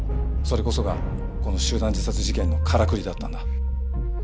それこそがこの集団自殺事件のからくりだったんだ。